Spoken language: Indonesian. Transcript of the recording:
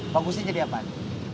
bagusnya jadi apaan